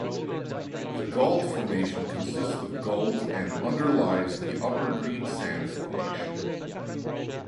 The Gault Formation consists of gault and underlies the Upper Greensand Formation.